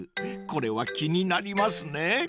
これは気になりますね］